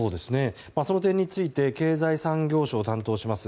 その点について経済産業省を担当します